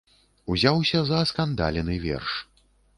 Узяўся за аскандалены верш.